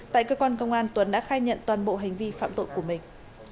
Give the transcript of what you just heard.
tại cơ quan công an tuấn đã khai nhận toàn bộ hành vi phạm tội của mình